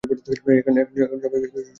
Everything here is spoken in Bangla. এখন সবাইকে সঠিক কাজটি করতে হবে।